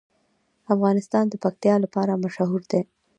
افغانستان د پکتیکا لپاره مشهور دی.